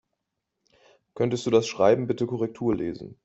Könntest du das Schreiben bitte Korrektur lesen?